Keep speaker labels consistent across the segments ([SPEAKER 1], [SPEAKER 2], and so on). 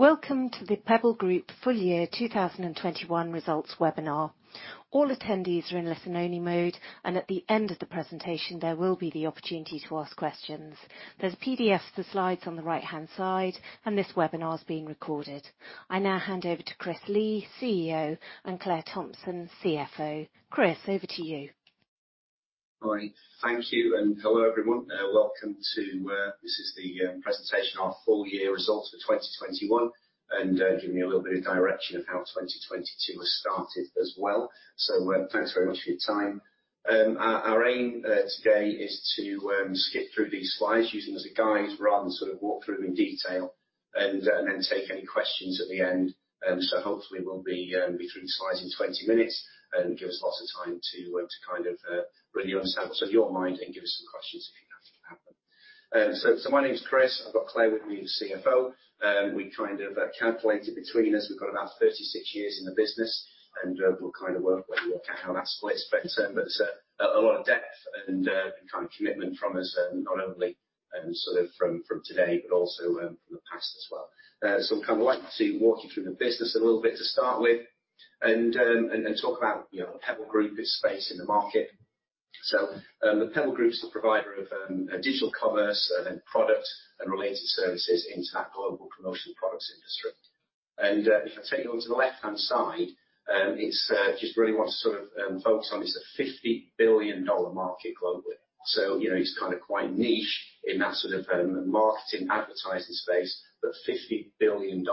[SPEAKER 1] Welcome to The Pebble Group full year 2021 results webinar. All attendees are in listen only mode, and at the end of the presentation, there will be the opportunity to ask questions. There's a PDF of the slides on the right-hand side, and this webinar is being recorded. I now hand over to Chris Lee, CEO, and Claire Thomson, CFO. Chris, over to you.
[SPEAKER 2] All right, thank you and hello everyone. Welcome to this presentation of our full year results for 2021, and giving you a little bit of direction of how 2022 has started as well. Thanks very much for your time. Our aim today is to skip through these slides using as a guide rather than sort of walk through in detail and then take any questions at the end. Hopefully we'll be through the slides in 20 minutes and give us lots of time to work to kind of really understand what's on your mind and give us some questions if you have them. My name is Chris. I've got Claire with me, the CFO. We kind of calculated between us, we've got about 36 years in the business and we'll kind of work out how that splits. A lot of depth and kind of commitment from us, not only sort of from today, but also from the past as well. Kind of like to walk you through the business a little bit to start with and talk about, you know, Pebble Group, its space in the market. The Pebble Group is a provider of digital commerce, and product and related services into that global promotional products industry. If I take you onto the left-hand side, it's just really want to sort of focus on. It's a $50 billion market globally. You know, it's kind of quite niche in that sort of marketing advertising space, but $50 billion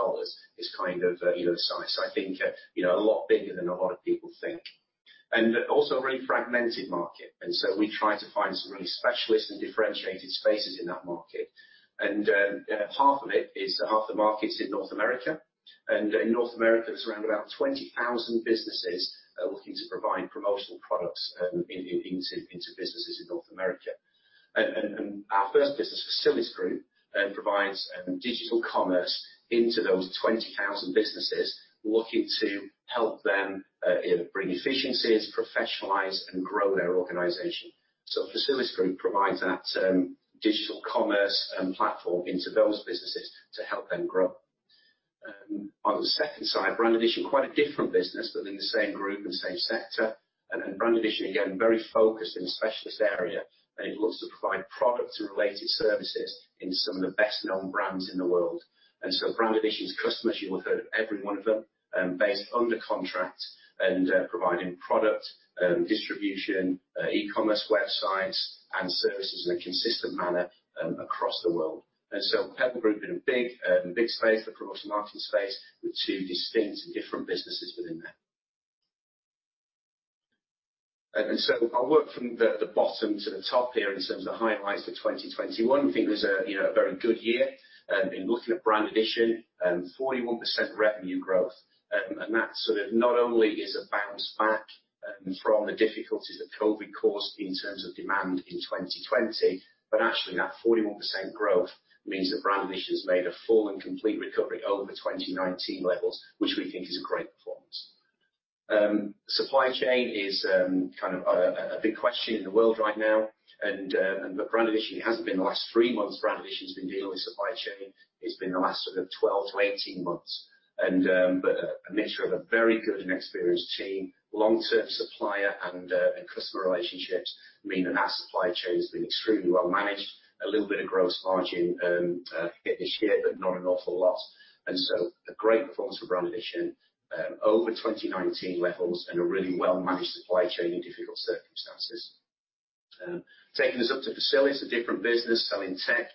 [SPEAKER 2] is kind of, you know, size. I think, you know, a lot bigger than a lot of people think. Also a really fragmented market. We try to find some really specialist and differentiated spaces in that market. Half of it is half the market's in North America. In North America, it's around about 20,000 businesses looking to provide promotional products into businesses in North America. Our first business, Facilisgroup, provides digital commerce into those 20,000 businesses looking to help them bring efficiencies, professionalize and grow their organization. Facilisgroup provides that digital commerce and platform into those businesses to help them grow. On the second side, Brand Addition, quite a different business, but in the same group and same sector and Brand Addition, again, very focused in a specialist area. It looks to provide product related services in some of the best known brands in the world. Brand Addition's customers, you will have heard of every one of them, based under contract and, providing product, distribution, e-commerce websites and services in a consistent manner, across the world. Pebble Group in a big space, the promotional marketing space with two distinct different businesses within there. I'll work from the bottom to the top here in terms of the highlights of 2021. I think it was a, you know, a very good year, in looking at Brand Addition, 41% revenue growth. That sort of not only is a bounce back from the difficulties that COVID caused in terms of demand in 2020, but actually that 41% growth means that Brand Addition has made a full and complete recovery over 2019 levels, which we think is a great performance. Supply chain is kind of a big question in the world right now, but Brand Addition hasn't been the last three months it's been dealing with supply chain. It's been the last sort of 12-18 months. A mixture of a very good and experienced team, long-term supplier and customer relationships mean that our supply chain has been extremely well managed, a little bit of gross margin hit this year, but not an awful lot. A great performance for Brand Addition over 2019 levels and a really well-managed supply chain in difficult circumstances. Taking us up to Facilis, a different business selling tech.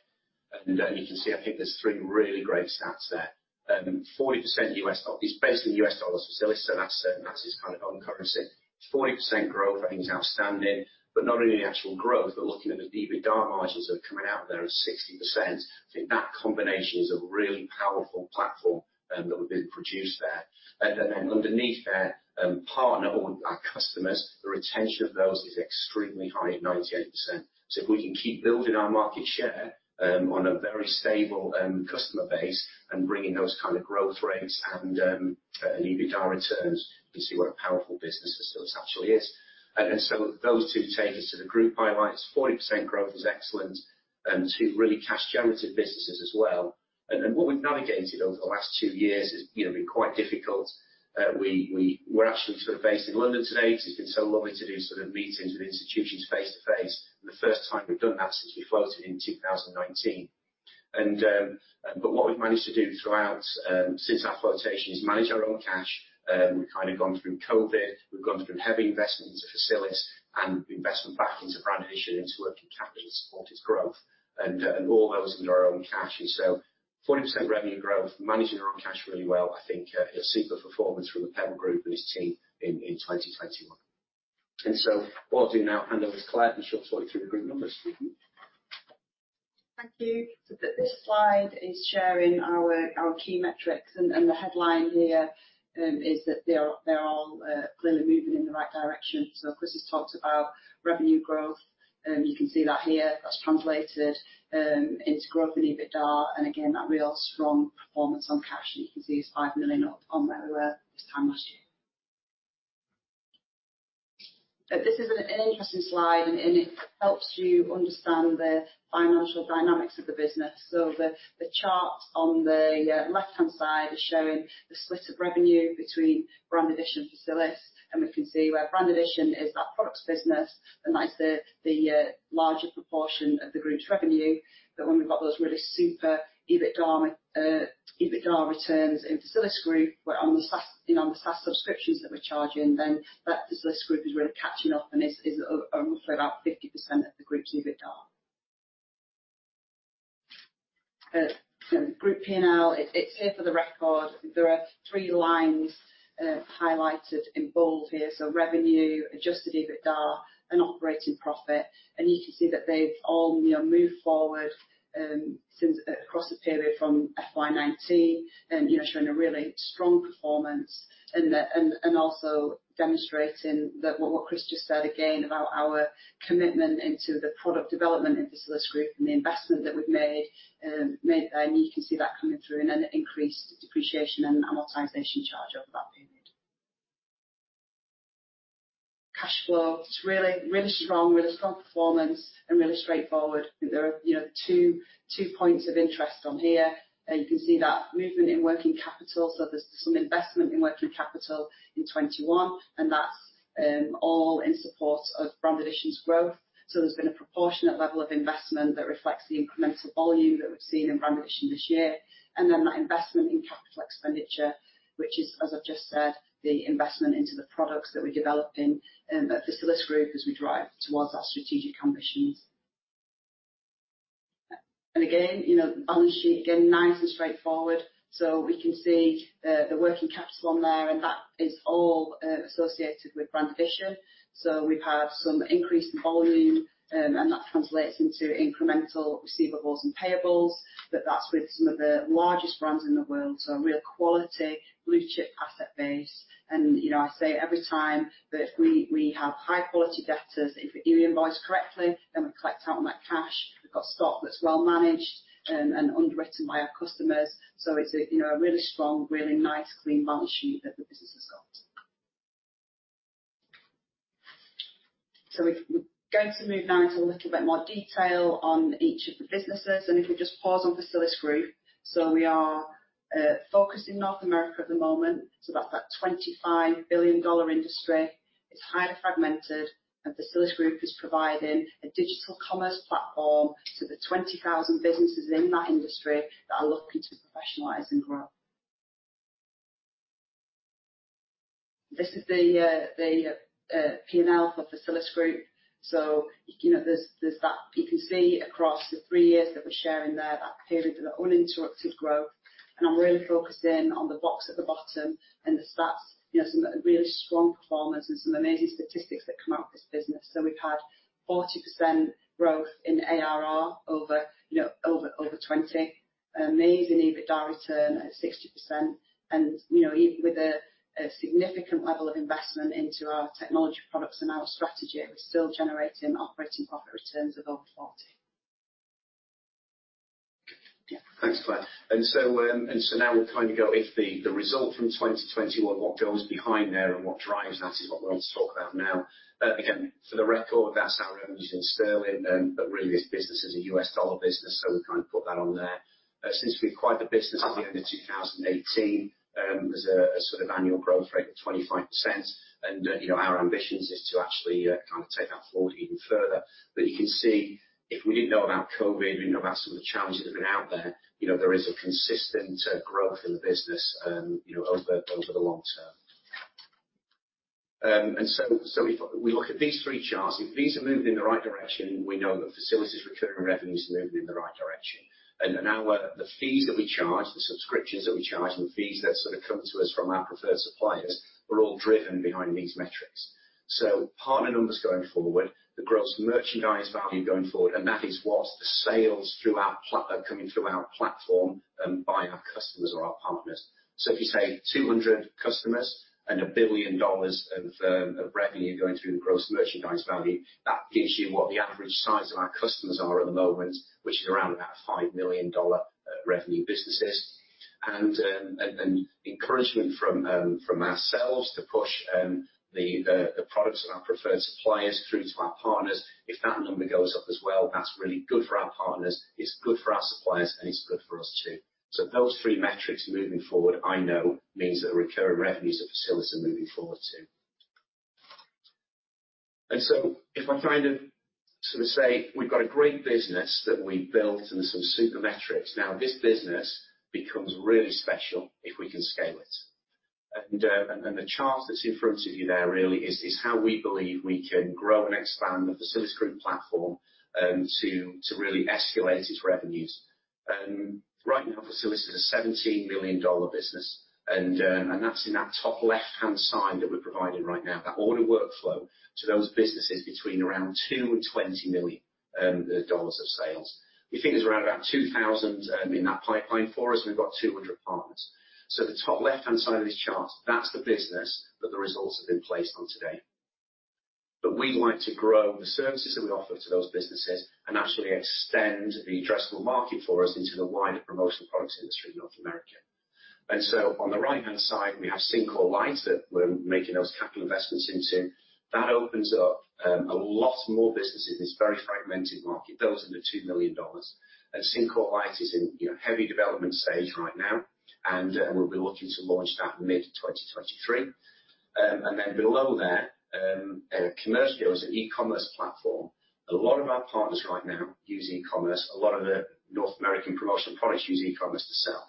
[SPEAKER 2] You can see, I think there's three really great stats there. 40%. It's based in U.S. dollars, Facilis, so that's its kind of own currency. 40% growth I think is outstanding, but not only the actual growth, but looking at the EBITDA margins that are coming out there at 60%. I think that combination is a really powerful platform that we've produced there. Then underneath there, partners, our customers, the retention of those is extremely high at 98%. If we can keep building our market share on a very stable customer base and bringing those kind of growth rates and EBITDA returns, you can see what a powerful business Facilis actually is. Those two take us to the group highlights. 40% growth is excellent, two really cash generative businesses as well. What we've navigated over the last two years has, you know, been quite difficult. We're actually sort of based in London today because it's been so lovely to do sort of meetings with institutions face to face. The first time we've done that since we floated in 2019. But what we've managed to do throughout since our flotation is manage our own cash. We've kind of gone through COVID, we've gone through heavy investment into Facilis and investment back into Brand Addition into working capital to support its growth and all those under our own cash. 40% revenue growth, managing our own cash really well, I think a super performance from the Pebble Group and its team in 2021. What I'll do now, hand over to Claire, and she'll talk you through the group numbers.
[SPEAKER 3] Thank you. This slide is sharing our key metrics and the headline here is that they're all clearly moving in the right direction. Chris has talked about revenue growth, you can see that here. That's translated into growth in EBITDA. Again, that real strong performance on cash. You can see it's 5 million up on where we were this time last year. This is an interesting slide and it helps you understand the financial dynamics of the business. The chart on the left-hand side is showing the split of revenue between Brand Addition, Facilis, and we can see where Brand Addition is that products business, and that is the larger proportion of the group's revenue. When we've got those really super EBITDA returns in Facilisgroup, where on the SaaS—you know, on the SaaS subscriptions that we're charging, then that Facilisgroup is really catching up and is roughly about 50% of the group's EBITDA. Group P&L, it's here for the record. There are three lines highlighted in bold here, so revenue, adjusted EBITDA, and operating profit. You can see that they've all, you know, moved forward across the period from FY 2019, and, you know, showing a really strong performance and also demonstrating that what Chris just said again, about our commitment into the product development in Facilisgroup and the investment that we've made there. You can see that coming through in an increased depreciation and amortization charge over that period. Cash flow. It is really strong, really strong performance and really straightforward. There are, you know, two points of interest on here. You can see that movement in working capital. So there's some investment in working capital in 2021, and that's all in support of Brand Addition's growth. So there's been a proportionate level of investment that reflects the incremental volume that we've seen in Brand Addition this year. That investment in capital expenditure, which is, as I've just said, the investment into the products that we're developing in the Facilisgroup as we drive towards our strategic ambitions. Again, you know, balance sheet again, nice and straightforward. We can see the working capital on there, and that is all associated with Brand Addition. We've had some increased volume, and that translates into incremental receivables and payables, but that's with some of the largest brands in the world, so a real quality blue chip asset base. You know, I say every time that we have high quality debtors if we invoice correctly, then we collect out on that cash. We've got stock that's well managed and underwritten by our customers. It's a, you know, a really strong, really nice clean balance sheet that the business has got. We're going to move now into a little bit more detail on each of the businesses, and if we just pause on Facilisgroup. We are focused in North America at the moment. That's that $25 billion industry. It's highly fragmented, and Facilisgroup is providing a digital commerce platform to the 20,000 businesses in that industry that are looking to professionalize and grow. This is the P&L for Facilisgroup. You know, there's that. You can see across the three years that we're sharing there, that period of uninterrupted growth. I'm really focused in on the box at the bottom and the stats. You know, some really strong performance and some amazing statistics that come out of this business. We've had 40% growth in ARR over, you know, 2020. Amazing EBITDA return at 60%. You know, even with a significant level of investment into our technology products and our strategy, we're still generating operating profit returns of over 40%.
[SPEAKER 2] Thanks, Claire. Now we'll kind of go into the result from 2021, what goes behind there and what drives that is what we want to talk about now. Again, for the record, that's our revenues in sterling, but really this business is a U.S. dollar business, so we kind of put that on there. Since we acquired the business at the end of 2018, there's a sort of annual growth rate of 25%. You know, our ambitions is to actually kind of take that forward even further. You can see if we didn't know about COVID, we didn't know about some of the challenges that have been out there, you know, there is a consistent growth in the business, you know, over the long term. If we look at these three charts, if these are moving in the right direction, we know that Facilis recurring revenue is moving in the right direction. Now, the fees that we charge, the subscriptions that we charge, and the fees that sort of come to us from our preferred suppliers are all driven by these metrics. Partner numbers going forward, the gross merchandise value going forward, and that is what the sales coming through our platform, by our customers or our partners. If you say 200 customers and $1 billion of revenue going through the gross merchandise value, that gives you what the average size of our customers are at the moment, which is around about $5 million revenue businesses. Encouragement from ourselves to push the products of our Preferred Suppliers through to our partners. If that number goes up as well, that's really good for our partners, it's good for our suppliers, and it's good for us, too. Those three metrics moving forward, I know means that the recurring revenues of Facilis are moving forward, too. If I kind of sort of say we've got a great business that we've built and some super metrics. Now this business becomes really special if we can scale it. The chart that's in front of you there really is how we believe we can grow and expand the Facilisgroup platform to really escalate its revenues. Right now, Facilis is a $17 million business and that's in that top left-hand side that we're providing right now that order workflow to those businesses between around $2 million and $20 million of sales. We think there's around about 2,000 in that pipeline for us, and we've got 200 partners. The top left-hand side of this chart, that's the business that the results have been placed on today. We'd like to grow the services that we offer to those businesses and actually extend the addressable market for us into the wider promotional products industry in North America. On the right-hand side, we have Syncore Lite that we're making those capital investments into. That opens up a lot more businesses in this very fragmented market under $2 million. Syncore Lite is in, you know, heavy development stage right now, and we'll be looking to launch that mid-2023. Then below there, Commercio is an e-commerce platform. A lot of our partners right now use e-commerce. A lot of the North American promotional products use e-commerce to sell.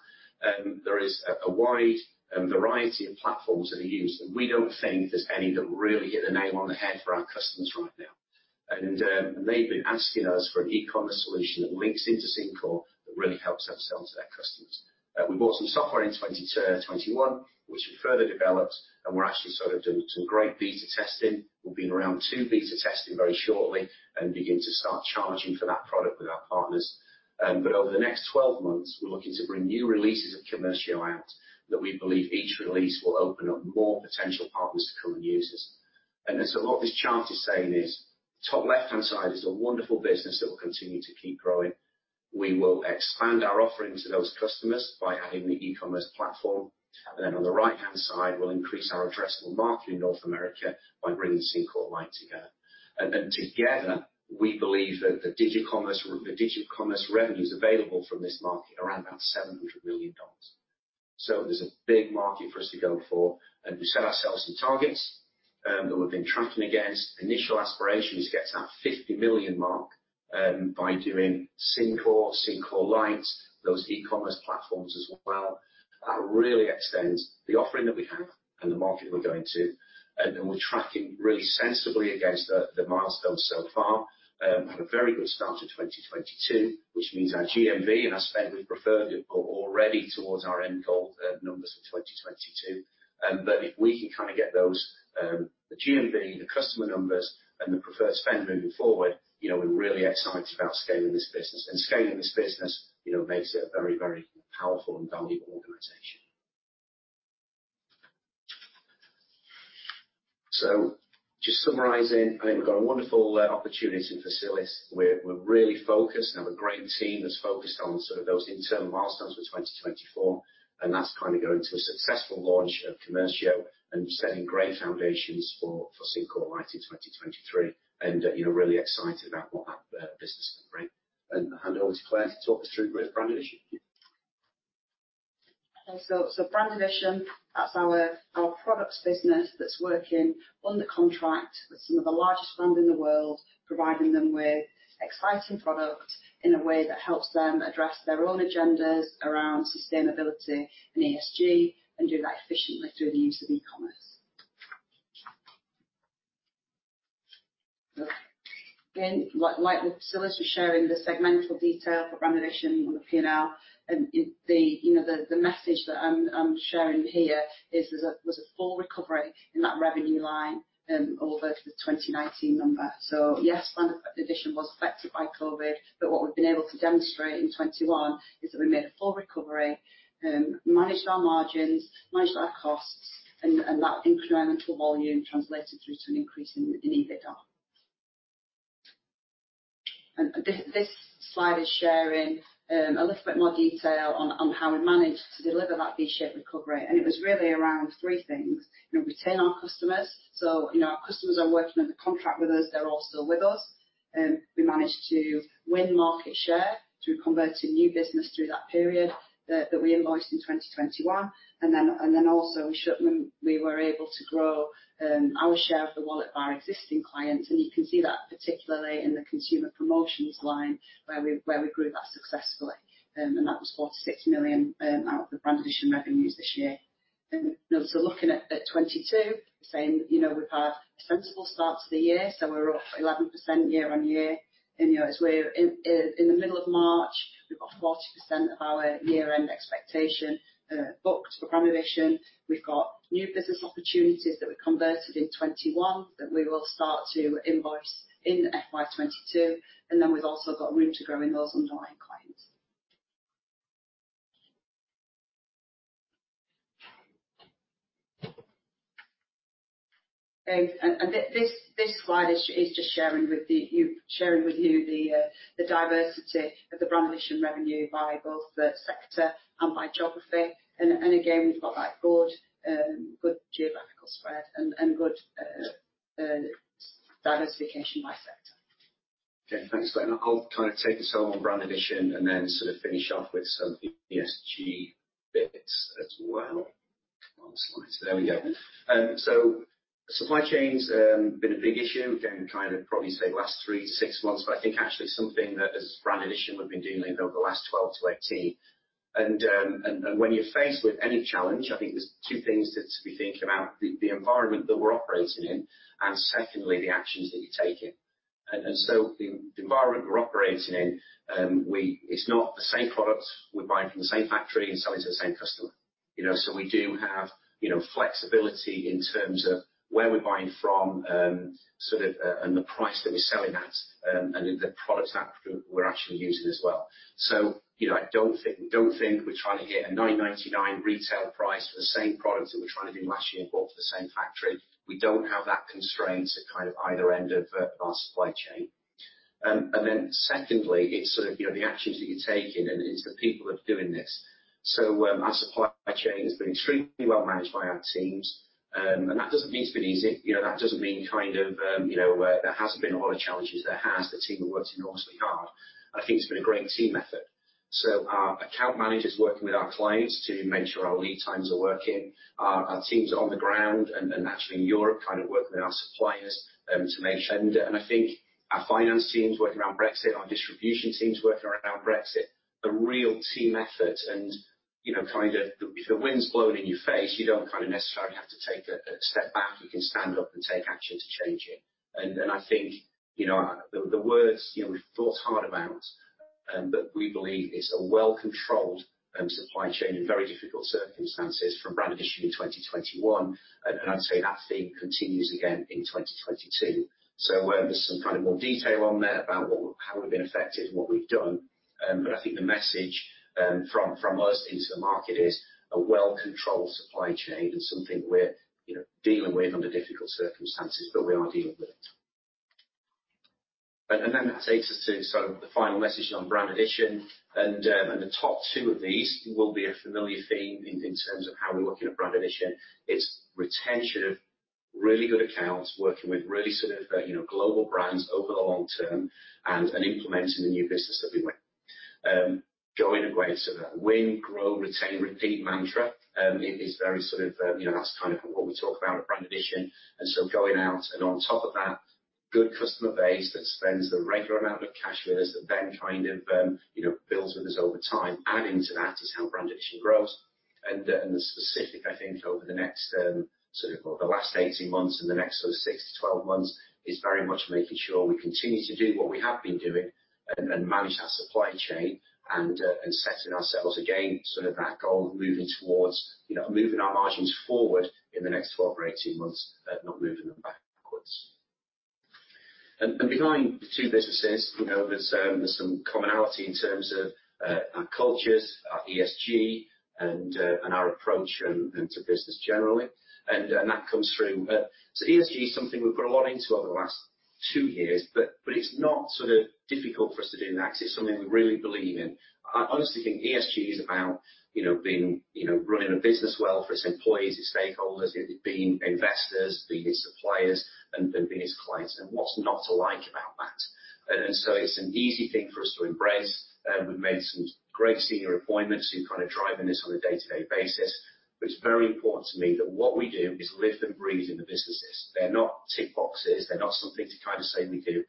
[SPEAKER 2] There is a wide variety of platforms that are used, and we don't think there's any that really hit the nail on the head for our customers right now. They've been asking us for an e-commerce solution that links into Syncore that really helps us sell to their customers. We bought some software in 2021, which we further developed, and we're actually sort of doing some great beta testing. We'll be entering beta testing very shortly and begin to start charging for that product with our partners. Over the next 12 months, we're looking to bring new releases of Commercio out that we believe each release will open up more potential partners to come and use us. What this chart is saying is, top left-hand side is a wonderful business that will continue to keep growing. We will expand our offering to those customers by adding the e-commerce platform. On the right-hand side, we'll increase our addressable market in North America by bringing Syncore Lite together. Together, we believe that the digital commerce revenues available from this market are around about $700 million. There's a big market for us to go for, and we set ourselves some targets that we've been tracking against. Initial aspiration is to get to that 50 million mark by doing Syncore Lite, those e-commerce platforms as well. That really extends the offering that we have and the market we're going to. We're tracking really sensibly against the milestones so far. Had a very good start to 2022, which means our GMV and our spend with preferred is already towards our end goal numbers for 2022. If we can kind of get those the GMV, the customer numbers and the preferred spend moving forward, you know, we're really excited about scaling this business. Scaling this business, you know, makes it a very, very powerful and valuable organization. Just summarizing, I think we've got a wonderful opportunity for Facilis. We're really focused and have a great team that's focused on sort of those internal milestones for 2024, and that's kind of going to a successful launch of Commercio and setting great foundations for Syncore Lite in 2023. You know, really excited about what that business can bring. I'll hand over to Claire to talk us through Brand Addition.
[SPEAKER 3] Okay. Brand Addition, that's our products business that's working under contract with some of the largest brands in the world, providing them with exciting products in a way that helps them address their own agendas around sustainability and ESG, and do that efficiently through the use of e-commerce. Again, like with Facilis, we're sharing the segmental detail for Brand Addition on the P&L, and the you know, the message that I'm sharing here is there was a full recovery in that revenue line over the 2019 number. Yes, Brand Addition was affected by COVID, but what we've been able to demonstrate in 2021 is that we made a full recovery, managed our margins, managed our costs, and that incremental volume translated through to an increase in EBITDA. This slide is sharing a little bit more detail on how we managed to deliver that V-shaped recovery. It was really around three things. You know, retain our customers. You know, our customers are working under contract with us. They're all still with us. We managed to win market share through converting new business through that period that we invoiced in 2021. Then also in shipment, we were able to grow our share of the wallet by our existing clients, and you can see that particularly in the consumer promotions line where we grew that successfully. That was 46 million out of the Brand Addition revenues this year. Looking at 2022, saying, you know, we've had a sensible start to the year, so we're up 11% year-on-year. You know, as we're in the middle of March, we've got 40% of our year-end expectation booked for Brand Addition. We've got new business opportunities that we converted in 2021 that we will start to invoice in FY 2022, and then we've also got room to grow in those underlying clients. This slide is just sharing with you the diversity of the Brand Addition revenue by both the sector and by geography. Again, we've got that good geographical spread and good diversification by sector.
[SPEAKER 2] Okay. Thanks for that. I'll kind of take us home on Brand Addition and then sort of finish off with some ESG bits as well. One slide. There we go. Supply chain's been a big issue. Again, kind of probably say the last three-six months, but I think actually something that as Brand Addition we've been doing over the last 12-18. When you're faced with any challenge, I think there's two things to be thinking about: the environment that we're operating in and secondly, the actions that you're taking. The environment we're operating in, it's not the same product we're buying from the same factory and selling to the same customer. You know, we do have, you know, flexibility in terms of where we're buying from, sort of, and the price that we're selling at, and the products that we're actually using as well. You know, we don't think we're trying to hit a 9.99 retail price for the same product that we're trying to do last year and bought from the same factory. We don't have that constraint at kind of either end of our supply chain. Secondly, it's sort of, you know, the actions that you're taking, and it's the people that are doing this. Our supply chain has been extremely well managed by our teams. That doesn't mean it's been easy. You know, that doesn't mean kind of, you know, there hasn't been a lot of challenges. There has. The team have worked enormously hard. I think it's been a great team effort. Our account managers working with our clients to make sure our lead times are working, our teams are on the ground and actually in Europe kind of working with our suppliers, to make sure. I think our finance team's working around Brexit, our distribution team's working around Brexit, a real team effort and, you know, kind of if the wind's blowing in your face, you don't kind of necessarily have to take a step back. You can stand up and take action to change it. I think, you know, the words, you know, we've thought hard about, but we believe it's a well-controlled supply chain in very difficult circumstances from Brand Addition in 2021. I'd say that theme continues again in 2022. There's some kind of more detail on there about how we've been affected and what we've done. I think the message from us into the market is a well-controlled supply chain and something we're, you know, dealing with under difficult circumstances, but we are dealing with it. That takes us to sort of the final message on Brand Addition. The top two of these will be a familiar theme in terms of how we're looking at Brand Addition. It's retention of really good accounts, working with really, you know, global brands over the long term and implementing the new business that we win. Going back to the win, grow, retain, repeat mantra, it is very sort of, you know, that's kind of what we talk about at Brand Addition. Going out and on top of that good customer base that spends the regular amount of cash with us that then kind of, you know, builds with us over time. Adding to that is how Brand Addition grows. The specific, I think, over the last 18 months and the next sort of 6-12 months, is very much making sure we continue to do what we have been doing and manage that supply chain and setting ourselves again sort of that goal moving towards, you know, moving our margins forward in the next 12 or 18 months, not moving them backwards. Behind the two businesses, you know, there's some commonality in terms of our cultures, our ESG and our approach and to business generally. That comes through. ESG is something we've put a lot into over the last two years, but it's not sort of difficult for us to do that cause it's something we really believe in. I honestly think ESG is about, you know, being, you know, running a business well for its employees, its stakeholders, being investors, being its suppliers and being its clients and what's not to like about that. It's an easy thing for us to embrace. We've made some great senior appointments who are kind of driving this on a day-to-day basis. It's very important to me that what we do is lived and breathed in the businesses. They're not tick boxes. They're not something to kind of say we do.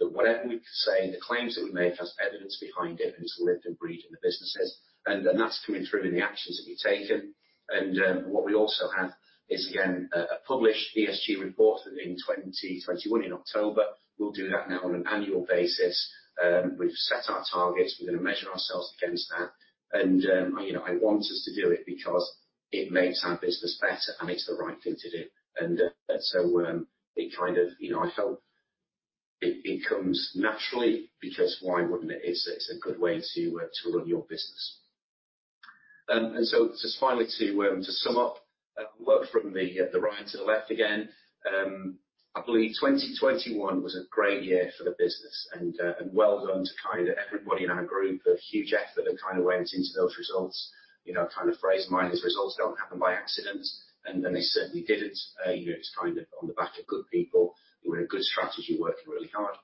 [SPEAKER 2] That whatever we say, the claims that we make has evidence behind it, and it's lived and breathed in the businesses. That's coming through in the actions that we've taken. What we also have is, again, a published ESG report in 2021 in October. We'll do that now on an annual basis. We've set our targets. We're gonna measure ourselves against that. You know, I want us to do it because it makes our business better, and it's the right thing to do. It kind of, you know, I felt it comes naturally because why wouldn't it? It's a good way to run your business. Just finally to sum up, work from the right to the left again. I believe 2021 was a great year for the business, and well done to kind of everybody in our group. A huge effort that kind of went into those results. You know, kind of a phrase of mine is results don't happen by accident. They certainly didn't. You know, it's kind of on the back of good people with a good strategy working really hard.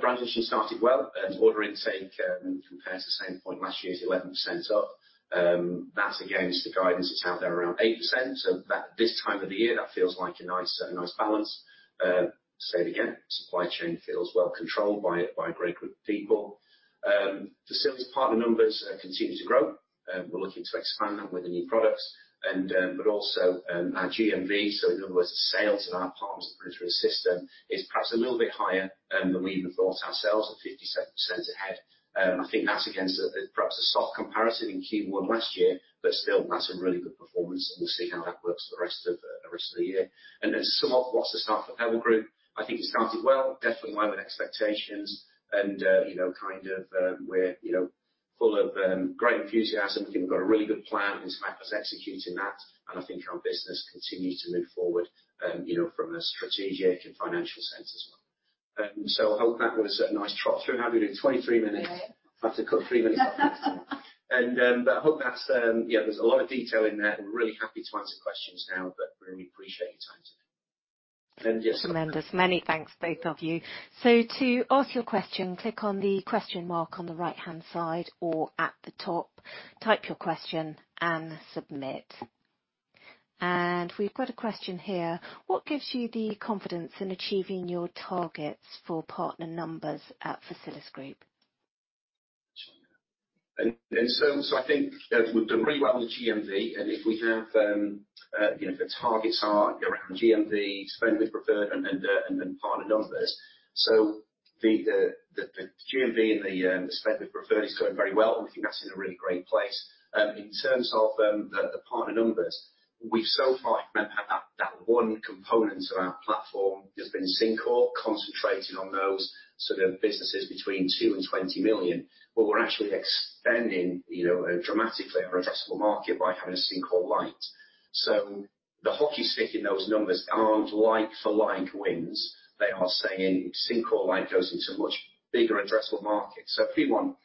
[SPEAKER 2] Brand Addition started well. Order intake compared to the same point last year is 11% up. That's against the guidance that's out there around 8%. This time of the year, that feels like a nice balance. Say it again, supply chain feels well controlled by a great group of people. Facilis partner numbers continue to grow. We're looking to expand that with the new products and but also our GMV, so in other words, the sales of our partners that run through the system is perhaps a little bit higher than we even thought ourselves, at 57% ahead. I think that's against a perhaps a soft comparison in Q1 last year, but still that's a really good performance, and we'll see how that works for the rest of the year. To sum up what's the start for Pebble Group, I think it started well. Definitely met with expectations and you know kind of we're you know full of great enthusiasm. Think we've got a really good plan, and it's a matter of us executing that, and I think our business continues to move forward, you know, from a strategic and financial sense as well. I hope that was a nice trot through. How are we doing? 23 minutes.
[SPEAKER 3] Yeah, yeah.
[SPEAKER 2] I have to cut three minutes off that. But I hope that's, yeah, there's a lot of detail in there, and we're really happy to answer questions now, but really appreciate your time today. Yes-
[SPEAKER 1] Tremendous. Many thanks both of you. To ask your question, click on the question mark on the right-hand side or at the top, type your question and submit. We've got a question here. What gives you the confidence in achieving your targets for partner numbers at Facilisgroup?
[SPEAKER 2] I think you know we've done really well with GMV, and if we have you know if the targets are around GMV, spend with preferred, and partner numbers. The GMV and the spend with preferred is going very well, and we think that's in a really great place. In terms of the partner numbers, we've so far remember had that one component of our platform has been Syncore concentrating on those sort of businesses between $2 million and $20 million. But we're actually expanding you know dramatically our addressable market by having a Syncore Lite. The hockey stick in those numbers aren't like for like wins. They are saying Syncore Lite goes into a much bigger addressable market. If we want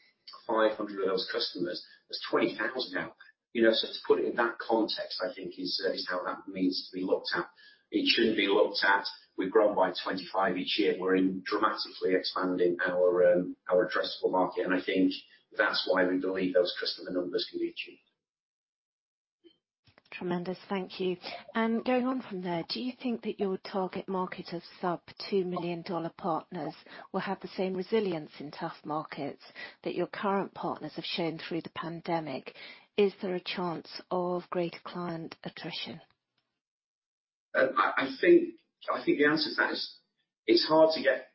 [SPEAKER 2] 500 of those customers, there's 20,000 out there. You know, to put it in that context, I think it is how that needs to be looked at. It shouldn't be looked at as we've grown by 25 each year. We're dramatically expanding our addressable market, and I think that's why we believe those customer numbers can be achieved.
[SPEAKER 1] Tremendous. Thank you. Going on from there, do you think that your target market of sub-$2 million partners will have the same resilience in tough markets that your current partners have shown through the pandemic? Is there a chance of greater client attrition?
[SPEAKER 2] I think the answer to that is it's hard to get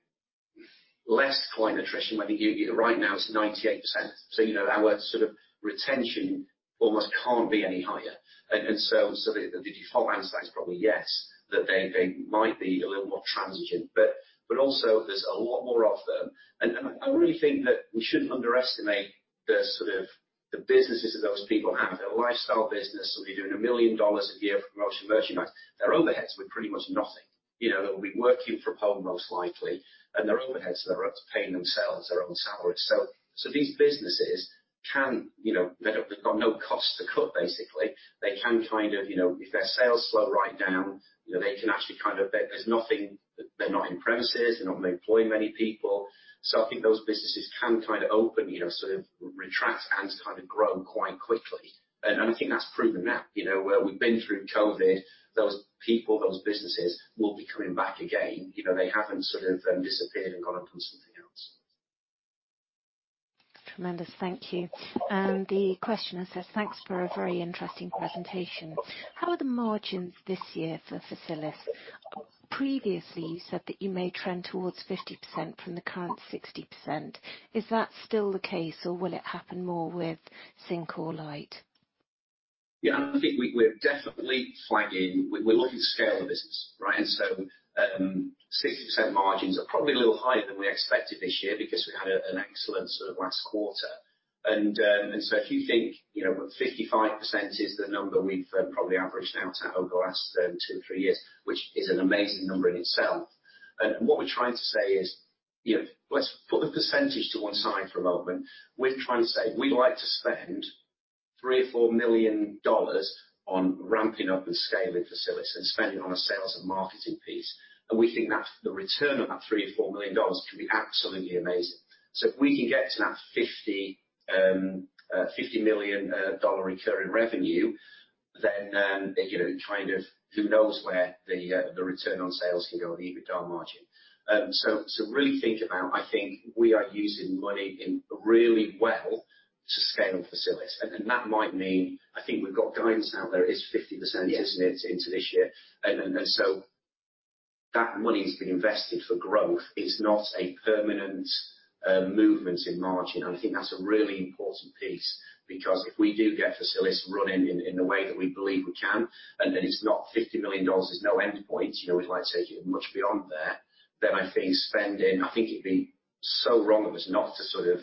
[SPEAKER 2] less client attrition when you know right now it's 98%. You know, our sort of retention almost can't be any higher. The default answer to that is probably yes, that they might be a little more transient, but also there's a lot more of them. I really think that we shouldn't underestimate the sort of businesses that those people have. They're a lifestyle business. They're doing $1 million a year from virtual distributors. Their overheads were pretty much nothing. You know, they'll be working from home most likely, and their overheads are up to paying themselves their own salaries. These businesses can, you know, they've got no cost to cut basically. They can kind of, you know, if their sales slow right down, you know, they can actually kind of. They're not in premises. They're not employing many people. So I think those businesses can kind of open, you know, sort of retract and kind of grow quite quickly. I think that's proven now, you know. Now we've been through COVID, those people, those businesses will be coming back again. You know, they haven't sort of disappeared and gone and done something else.
[SPEAKER 1] Tremendous. Thank you. The questioner says, "Thanks for a very interesting presentation. How are the margins this year for Facilis? Previously, you said that you may trend towards 50% from the current 60%. Is that still the case, or will it happen more with Syncore or Lite?
[SPEAKER 2] Yeah, I think we're definitely flagging. We're looking to scale the business, right? 60% margins are probably a little higher than we expected this year because we had an excellent sort of last quarter. If you think, you know, 55% is the number we've probably averaged out at over the last two, three years, which is an amazing number in itself. What we're trying to say is, you know, let's put the percentage to one side for a moment. We're trying to say we'd like to spend $3 million or $4 million on ramping up and scaling Facilis and spend it on a sales and marketing piece. We think that's the return on that $3 million or $4 million can be absolutely amazing. If we can get to that $50 million recurring revenue, then you know, kind of who knows where the return on sales can go on the EBITDA margin. Really think about, I think we are using our money really well to scale Facilis. That might mean I think we've got guidance out there. It's 50%, isn't it, into this year? So that money's been invested for growth. It's not a permanent movement in margin. I think that's a really important piece because if we do get Facilis running in the way that we believe we can, and then it's not $50 million, there's no endpoint. You know, we'd like to take it much beyond there. I think spending. I think it'd be so wrong of us not to sort of,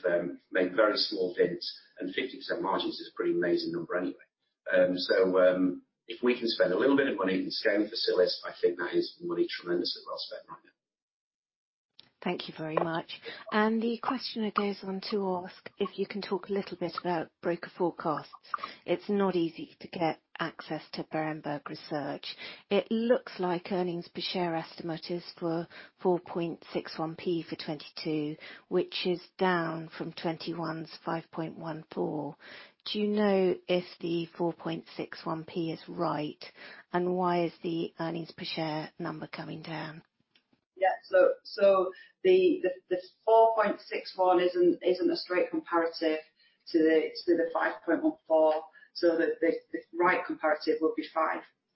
[SPEAKER 2] make very small bids and 50% margins is a pretty amazing number anyway. If we can spend a little bit of money in scaling Facilis, I think that is money tremendously well spent right now.
[SPEAKER 1] Thank you very much. The questioner goes on to ask if you can talk a little bit about broker forecasts. It's not easy to get access to Berenberg research. It looks like earnings per share estimate is for 4.61p for 2022, which is down from 2021's 5.14. Do you know if the 4.61p is right? Why is the earnings per share number coming down?
[SPEAKER 3] The 4.61 isn't a straight comparative to the 5.14. The right comparative would be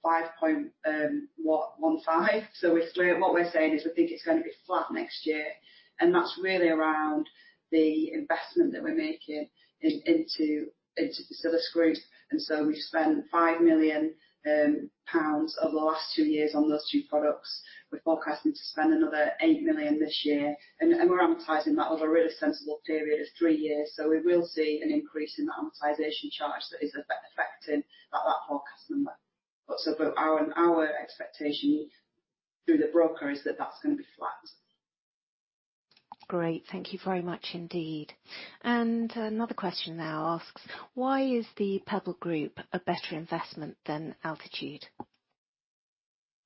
[SPEAKER 3] 5.15. What we're saying is we think it's gonna be flat next year, and that's really around the investment that we're making into Facilisgroup. We've spent 5 million pounds over the last two years on those two products. We're forecasting to spend another 8 million this year, and we're amortizing that over a really sensible period of three years. We will see an increase in the amortization charge that is affecting that forecast number. Our expectation through the broker is that that's gonna be flat.
[SPEAKER 1] Great. Thank you very much indeed. Another question now asks, "Why is the Pebble Group a better investment than Altitude?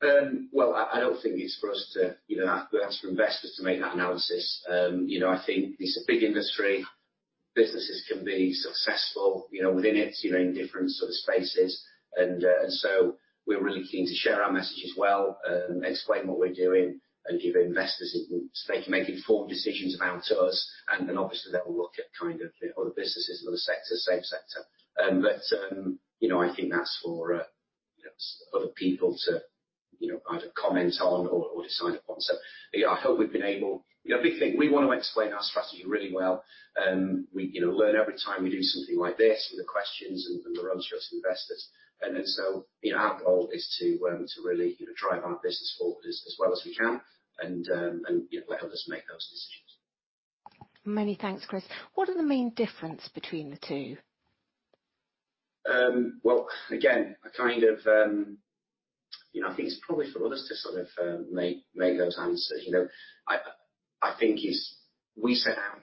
[SPEAKER 2] Well, I don't think it's for us to, you know, that's for investors to make that analysis. You know, I think it's a big industry. Businesses can be successful, you know, within it, you know, in different sort of spaces. We're really keen to share our message as well, explain what we're doing and give investors so they can make informed decisions about us, and obviously they will look at kind of the other businesses and other sectors, same sector. You know, I think that's for other people to, you know, either comment on or decide upon. Yeah, I hope we've been able to explain our strategy really well. You know, a big thing, we wanna explain our strategy really well. We, you know, learn every time we do something like this with the questions and the run through to investors. You know, our goal is to really, you know, drive our business forward as well as we can and, you know, let others make those decisions.
[SPEAKER 1] Many thanks, Chris. What are the main difference between the two?
[SPEAKER 2] Well, again, I kind of, you know, I think it's probably for others to sort of make those answers. You know, I think we set out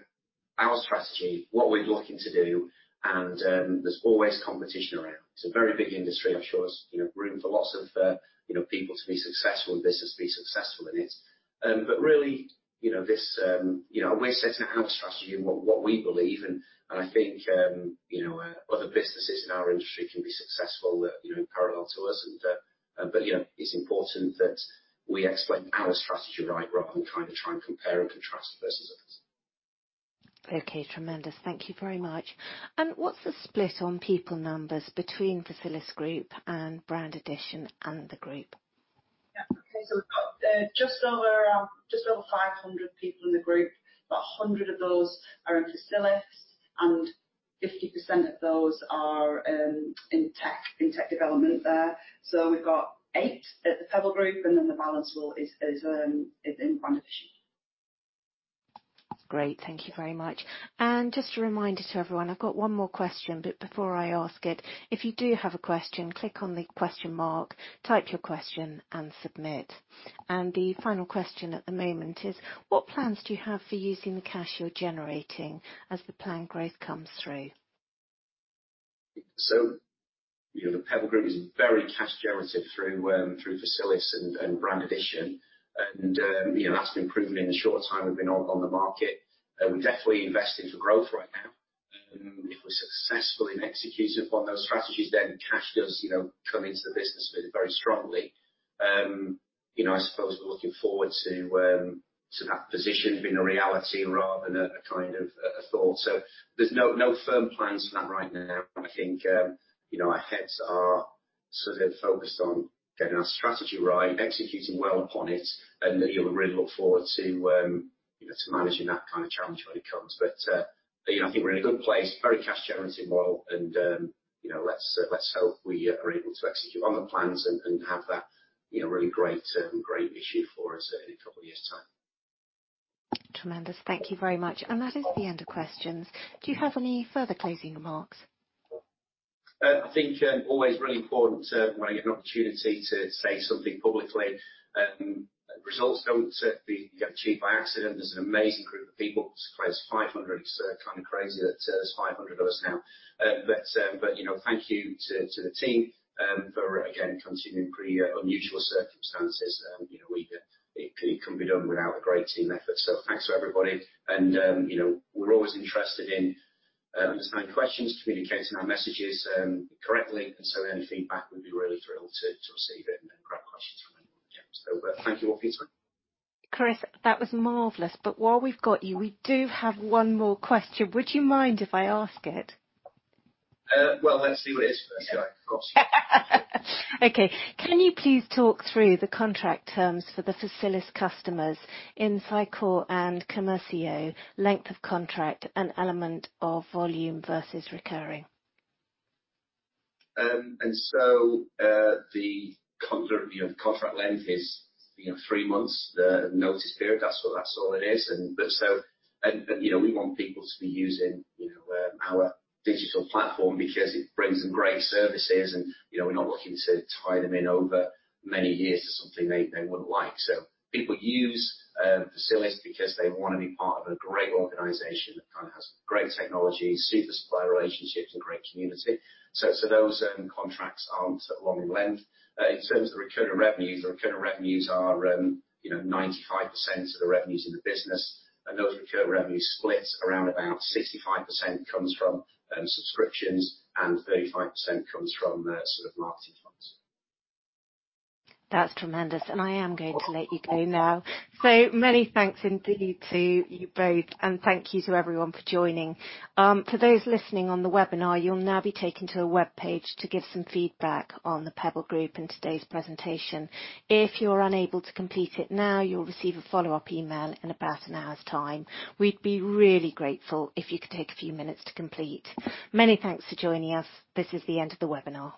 [SPEAKER 2] our strategy, what we're looking to do, and there's always competition around. It's a very big industry. I'm sure there's, you know, room for lots of, you know, people to be successful and business to be successful in it. Really, you know, this, you know, we're setting our strategy and what we believe, and I think, you know, other businesses in our industry can be successful, you know, in parallel to us, but, you know, it's important that we explain our strategy right rather than trying to compare and contrast versus others.
[SPEAKER 1] Okay. Tremendous. Thank you very much. What's the split on people numbers between Facilisgroup and Brand Addition and the group?
[SPEAKER 3] We've got just over 500 people in the group, about 100 of those are in Facilis, and 50% of those are in tech development there. We've got eight at The Pebble Group, and then the balance is in Brand Addition.
[SPEAKER 1] Great. Thank you very much. Just a reminder to everyone, I've got one more question, but before I ask it, if you do have a question, click on the question mark, type your question, and submit. The final question at the moment is: What plans do you have for using the cash you're generating as the planned growth comes through?
[SPEAKER 2] You know, The Pebble Group is very cash generative through Facilis and Brand Addition. You know, that's been proven in the short time we've been on the market. We're definitely investing for growth right now. If we're successful in executing upon those strategies, then cash does, you know, come into the business very strongly. You know, I suppose we're looking forward to that position being a reality rather than a kind of a thought. There's no firm plans for that right now. I think, you know, our heads are sort of focused on getting our strategy right, executing well upon it, and, you know, we really look forward to managing that kind of challenge when it comes. You know, I think we're in a good place, very cash generating model and, you know, let's hope we are able to execute on the plans and have that, you know, really great issue for us in a couple of years' time.
[SPEAKER 1] Tremendous. Thank you very much. That is the end of questions. Do you have any further closing remarks?
[SPEAKER 2] I think it's always really important to, when you get an opportunity to say something publicly, results don't get achieved by accident. There's an amazing group of people. It's close to 500. It's kind of crazy that there's 500 of us now. But you know, thank you to the team for again continuing pretty unusual circumstances. You know, it couldn't be done without a great team effort. Thanks to everybody and you know, we're always interested in just having questions, communicating our messages correctly. Any feedback we'd be really thrilled to receive it and grab questions from anyone. Yeah. Thank you all for your time.
[SPEAKER 1] Chris, that was marvelous. While we've got you, we do have one more question. Would you mind if I ask it?
[SPEAKER 2] Well, let's see what it is first. Yeah, of course.
[SPEAKER 1] Okay. Can you please talk through the contract terms for the Facilis customers in Syncore and Commercio length of contract and element of volume versus recurring?
[SPEAKER 2] You know, the contract length is, you know, three months. The notice period, that's all it is. You know, we want people to be using, you know, our digital platform because it brings them great services and, you know, we're not looking to tie them in over many years to something they wouldn't like. People use Facilis because they wanna be part of a great organization that kind of has great technology, super supplier relationships and great community. Those contracts aren't long in length. In terms of the recurring revenues, you know, 95% of the revenues in the business. Those recurring revenues split around about 65% comes from subscriptions and 35% comes from sort of marketing funds.
[SPEAKER 1] That's tremendous. I am going to let you go now. Many thanks indeed to you both, and thank you to everyone for joining. For those listening on the webinar, you'll now be taken to a webpage to give some feedback on The Pebble Group and today's presentation. If you're unable to complete it now, you'll receive a follow-up email in about an hour's time. We'd be really grateful if you could take a few minutes to complete. Many thanks for joining us. This is the end of the webinar.